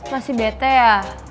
masih bete ya